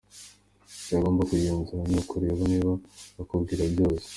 Icyo ugomba kugenzura ,ni ukureba niba akubwira byose.